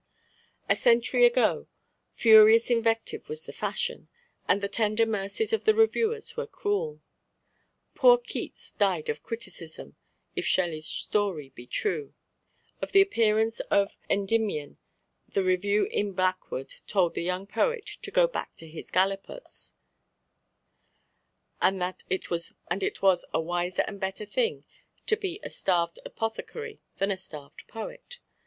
A century ago furious invective was the fashion, and the tender mercies of the reviewers were cruel. Poor Keats died of criticism, if Shelley's story be true. On the appearance of Endymion the review in Blackwood told the young poet "to go back to his gallipots," and that it was a wiser and better thing to be a starved apothecary than a starved poet.